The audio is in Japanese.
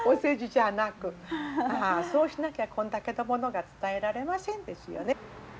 そうしなきゃこんだけのものが伝えられませんですよね。